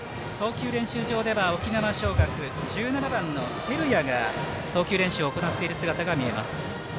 沖縄尚学、１７番の照屋が投球練習を行っている姿が見えます。